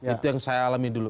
itu yang saya alami dulu